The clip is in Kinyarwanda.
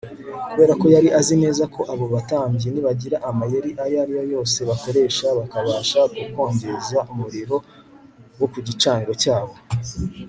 kubera ko yari azi neza ko abo batambyi nibagira amayeri ayo ari yo yose bakoresha bakabasha gukongeza umuriro wo ku gicaniro cyabo